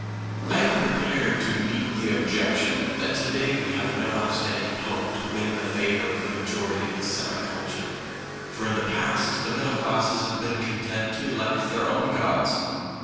I am prepared to meet the objection that THE POET AND THE PEOPLE 59 to day we have no outstanding poet to win the favour of the majority of the semi cultured. For in the past the middle classes have been content to elect their own gods.